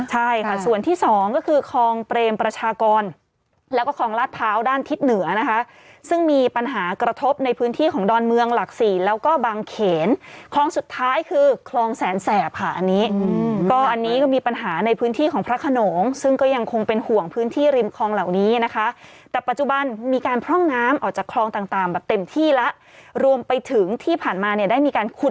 ใช่ค่ะส่วนที่สองก็คือคลองเปรมประชากรแล้วก็คลองลาดเท้าด้านทิศเหนือนะคะซึ่งมีปัญหากระทบในพื้นที่ของดอนเมืองหลักศรีแล้วก็บางเขนคลองสุดท้ายคือคลองแสนแสบค่ะอันนี้ก็อันนี้ก็มีปัญหาในพื้นที่ของพระขนงซึ่งก็ยังคงเป็นห่วงพื้นที่ริมคลองเหล่านี้นะคะแต่ปัจจุบันมีการพร่องน้ำออกจากค